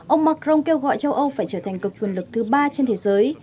ông macron kêu gọi châu âu phải trở thành cực quyền lực thứ ba trên thế giới